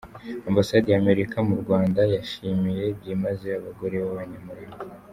Ambasade ya Amerika mu Rwanda yashimiye byimazeyo abagore b’abanyamurava.